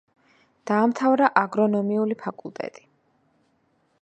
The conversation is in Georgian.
დაამთავრა აგრონომიული ფაკულტეტი.